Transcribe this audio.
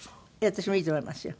私もいいと思いますよ。